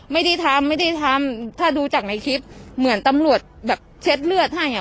ไม่ได้ทำไม่ได้ทำถ้าดูจากในคลิปเหมือนตำรวจแบบเช็ดเลือดให้อ่ะ